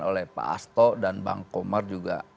oleh pak asto dan bang komar juga